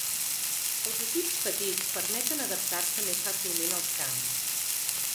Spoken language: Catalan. Els equips petits permeten adaptar-se més fàcilment als canvis.